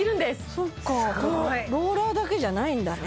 そっかローラーだけじゃないんだね